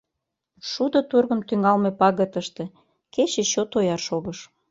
Шудо тургым тӱҥалме пагытыште кече чот ояр шогыш.